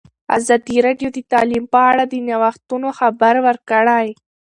ازادي راډیو د تعلیم په اړه د نوښتونو خبر ورکړی.